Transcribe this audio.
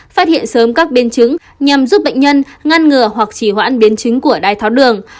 phát hiện sớm các biến chứng nhằm giúp bệnh nhân ngăn ngừa hoặc chỉ hoãn biến chứng của đai tháo đường